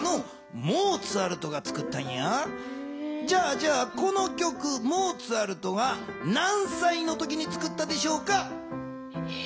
じゃあこの曲モーツァルトが何歳の時につくったでしょうか？